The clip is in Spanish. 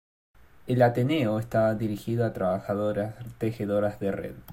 El ateneo estaba dirigido a trabajadoras tejedoras de red.